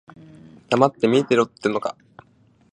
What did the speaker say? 黙って見てろってのか。